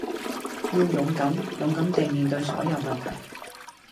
要勇敢，勇敢地面對所有問題